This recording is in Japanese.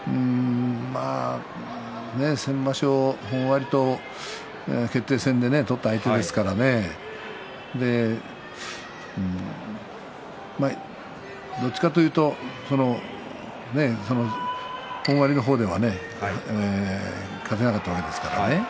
先場所、本割と決定戦で取った相手ですのでどちらかというと本割の方では勝てなかったわけですからね。